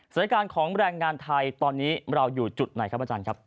สถานการณ์ของแรงงานไทยตอนนี้เราอยู่จุดไหนครับอาจารย์ครับ